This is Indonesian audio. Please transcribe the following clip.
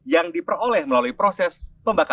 yang diperoleh melalui proses pembangunan